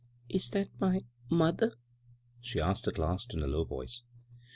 "Is that my — mother?" she asked at last, in a low voice.